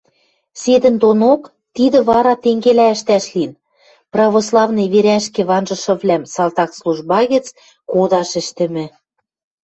Седӹндонок тидӹ вара тенгелӓ ӹштӓш лин: православный верӓшкӹ ванжышывлӓм салтак служба гӹц кодаш ӹштӹмӹ